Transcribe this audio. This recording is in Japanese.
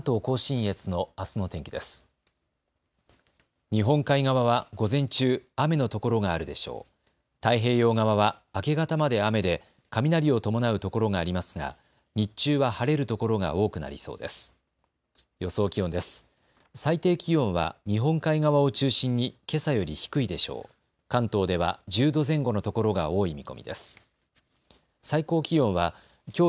最低気温は日本海側を中心にけさより低いでしょう。